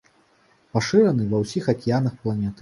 Пашыраны ва ўсіх акіянах планеты.